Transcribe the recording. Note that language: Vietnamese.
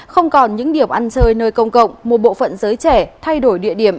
không còn những điểm ăn chơi nơi công cộng một bộ phận giới trẻ thay đổi địa điểm